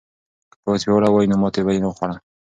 که پوځ پیاوړی وای نو ماتې به یې نه خوړه.